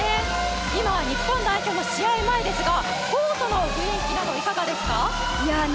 今、日本代表の試合前ですがコートの雰囲気などいかがですか？